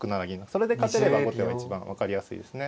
それで勝てれば後手は一番分かりやすいですね。